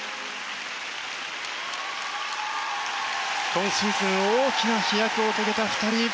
今シーズン大きな飛躍を遂げた２人。